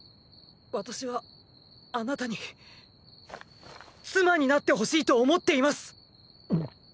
私はあなたに妻になってほしいと思っています！